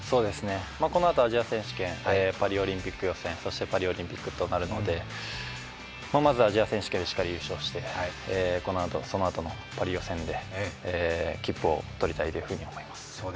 このあとアジア選手権、パリオリンピック予選、そしてパリオリンピックとなるので、まずはアジア選手権をしっかり優勝してそのあとのパリ予選で切符を取りたいと思います。